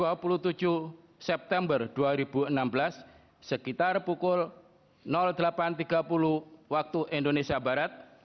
tanggal dua puluh tujuh september dua ribu enam belas sekitar pukul delapan tiga puluh waktu indonesia barat